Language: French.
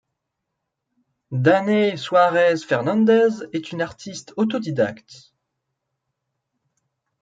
Danay Suárez Fernández est une artiste autodidacte.